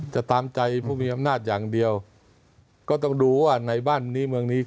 จะตามใจผู้มีอำนาจอย่างเดียวก็ต้องดูว่าในบ้านนี้เมืองนี้